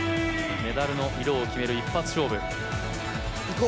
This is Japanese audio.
メダルの色を決める一発勝負。